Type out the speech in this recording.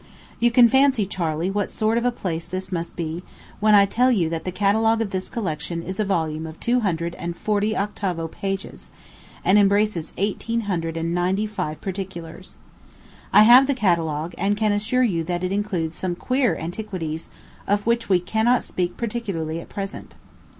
You can fancy, Charley, what sort of a place this must be, when I tell you that the catalogue of this collection is a volume of two hundred and forty octavo pages, and embraces eighteen hundred and ninety five particulars. I have the catalogue, and can assure you that it includes some queer antiquities, of which we cannot speak particularly at present.